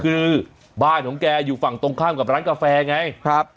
คือบ้านของแกอยู่ฝั่งตรงข้ามกับร้านกาแฟไงครับ